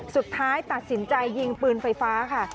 สุดท้ายตัดสินใจยิงปืนไฟฟ้าค่ะ